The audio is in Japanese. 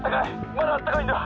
まだあったかいんだ！